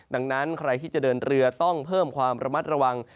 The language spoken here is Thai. ดังนั้นใครที่จะเดินเรือต้องเพิ่มความระมัดระวัง